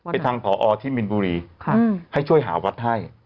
ทางผอที่มินบุรีให้ช่วยหาวัดให้